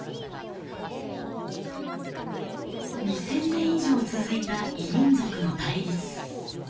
２千年以上続いた異民族の対立。